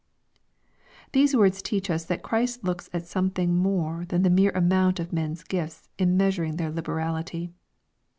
'' These words teach lis that Christ looks at something more than the mere amount of men's gifts in measuring their liberality.